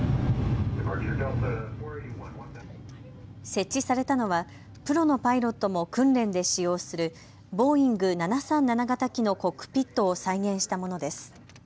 設置されたのはプロのパイロットも訓練で使用するボーイング７３７型機のコックピットを再現したものです。